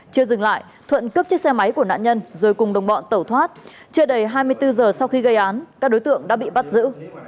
chưa dừng lại thuận cướp chiếc xe máy của nạn nhân rồi cùng đồng bọn tẩu thoát chưa đầy hai mươi bốn giờ sau khi gây án các đối tượng đã bị bắt giữ